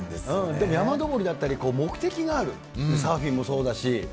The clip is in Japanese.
でも山登りだったり、目的がある、サーフィンもそうだし。